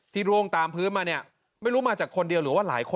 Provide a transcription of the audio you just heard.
ร่วงตามพื้นมาเนี่ยไม่รู้มาจากคนเดียวหรือว่าหลายคน